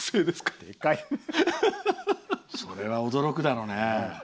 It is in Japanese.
それは驚くだろうね。